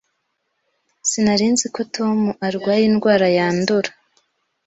Sinari nzi ko Tom arwaye indwara yandura.